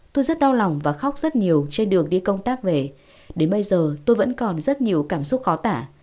tôi rất đau lòng và khóc rất nhiều trên đường đi công tác về đến bây giờ tôi vẫn còn rất nhiều cảm xúc khó tả